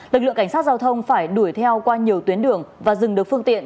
lực lượng cảnh sát giao thông phải đuổi theo qua nhiều tuyến đường và dừng được phương tiện